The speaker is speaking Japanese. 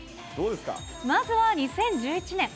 まずは２０１１年。